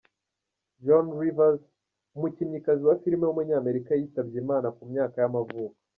Joan Rivers, umukinnyikazi wa filime w’umunyamerika yitabye Imana ku myaka y’amavuko.